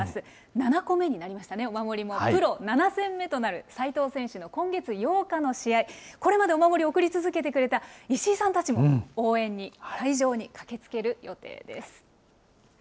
７個目になりましたね、お守りもプロ７戦目となる齋藤選手の今月８日の試合、これまでお守り贈り続けてくれた石井さんたちも応援に、会場に駆けつける予定です。